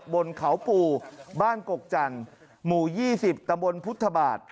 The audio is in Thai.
บนเขาปู่บ้านกกจันทร์หมู่๒๐ตำบลพุทธบาท